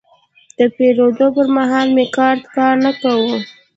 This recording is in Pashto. د پیرود پر مهال مې کارت کار نه کاوه.